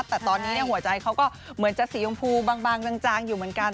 แต่ตอนนี้หัวใจเขาก็เหมือนจะสีชมพูบางจางอยู่เหมือนกัน